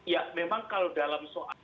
ya memang kalau dalam soal